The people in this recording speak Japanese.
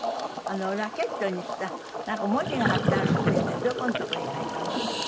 ラケットにさなんか文字が貼ってあるっていうんでどこのとこに書いてあるの？